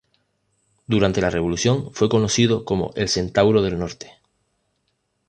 Durante la revolución fue conocido como El Centauro del Norte.